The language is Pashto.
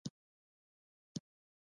هلک ورټیټ شو یو، څو لپې سایه